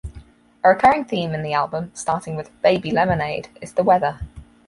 A recurring theme in the album, starting with "Baby Lemonade", is the weather.